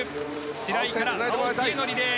白井から青木へのリレー。